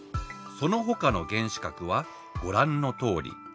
そのほかの原子核はご覧のとおり。